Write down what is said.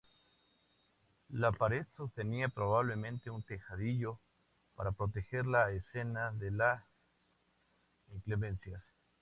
La pared sostenía probablemente un tejadillo para proteger la escena de las inclemencias.